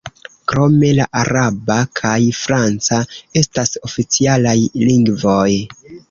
Krome la araba kaj franca estas oficialaj lingvoj.